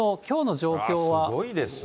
きょうの状況は。